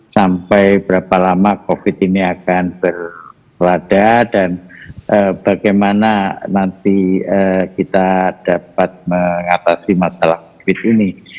sampai berapa lama covid ini akan berlada dan bagaimana nanti kita dapat mengatasi masalah covid ini